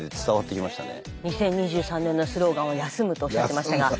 ２０２３年のスローガンは休むとおっしゃってましたが。